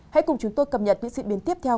hãy cùng chúng tôi cập nhật những diễn biến tiếp theo